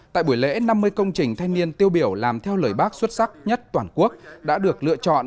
tại buổi lễ năm mươi công trình thanh niên tiêu biểu làm theo lời bác xuất sắc nhất toàn quốc đã được lựa chọn